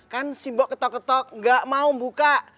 kan si mbok ketok ketok gak mau buka